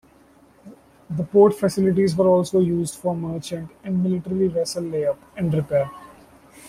The port facilities were also used for merchant and military vessel layup and repair.